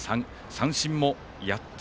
三振も８つ。